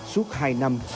suốt hai năm